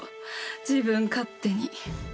自分勝手に。